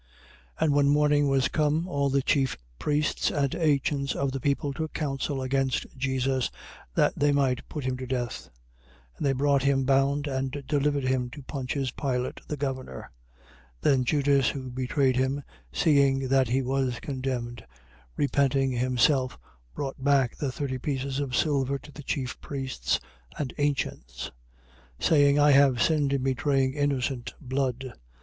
27:1. And when morning was come, all the chief priests and ancients of the people took counsel against Jesus, that they might put him to death. 27:2. And they brought him bound and delivered him to Pontius Pilate the governor. 27:3. Then Judas, who betrayed him, seeing that he was condemned, repenting himself, brought back the thirty pieces of silver to the chief priests and ancients, 27:4. Saying: I have sinned in betraying innocent blood.